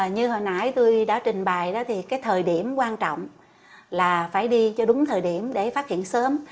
như hồi nãi tôi đã trình bày đó thì cái thời điểm quan trọng là phải đi cho đúng thời điểm để phát hiện sớm